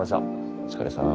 お疲れさん。